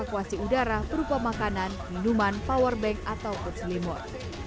evakuasi udara berupa makanan minuman powerbank atau kurs limur